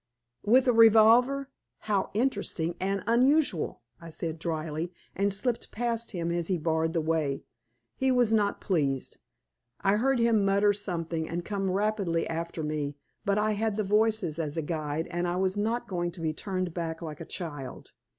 "With a revolver! How interesting and unusual!" I said dryly, and slipped past him as he barred the way. He was not pleased; I heard him mutter something and come rapidly after me, but I had the voices as a guide, and I was not going to be turned back like a child.